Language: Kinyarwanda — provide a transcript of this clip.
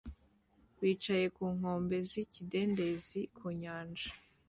Bicaye ku nkombe z'ikidendezi ku nyanja